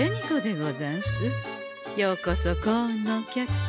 ようこそ幸運のお客様。